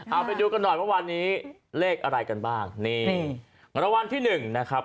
เอาไปดูกันหน่อยว่าวันนี้เลขอะไรกันบ้างนี่รางวัลที่หนึ่งนะครับ